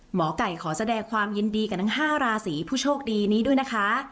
หมอไก่ขอแสดงความยินดีกับทั้ง๕ราศีผู้โชคดีนี้ด้วยนะคะ